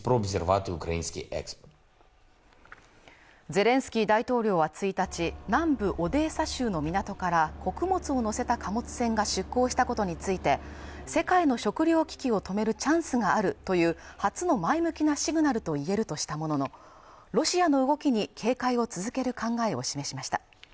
ゼレンスキー大統領は１日南部オデッサ州の港から穀物を載せた貨物船が出港したことについて世界の食糧危機を止めるチャンスがあるという初の前向きなシグナルといえるとしたもののロシアの動きに警戒を続ける考えを示しました